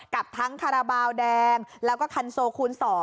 กับทั้งคาราบาลแดงแล้วก็คันโซคูณ๒